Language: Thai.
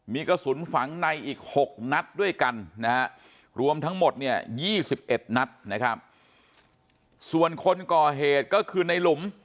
มีกระสุนฝังในอีก๖นัดด้วยกันรวมทั้งหมด๒๑นัดส่วนคนก่อเหตุก็คือในหลุม